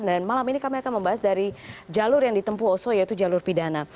dan malam ini kami akan membahas dari jalur yang ditempuh oso yaitu jalur pidana